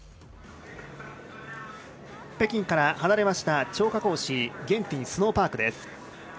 北京から離れました張家口市ゲンティンスノーパークです。